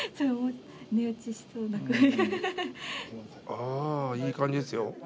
ああいい感じですよ。